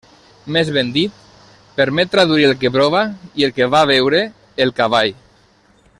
Més ben dit, permet traduir el que prova i el que va veure el cavall.